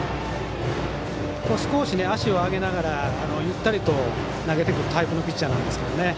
少し足を上げながらゆったりと投げてくるタイプのピッチャーなんですよね。